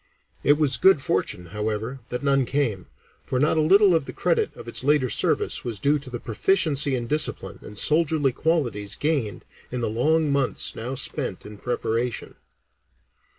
It was good fortune, however, that none came, for not a little of the credit of its later service was due to the proficiency in discipline and soldierly qualities gained in the long months now spent in preparation.